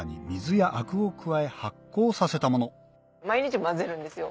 毎日混ぜるんですよ。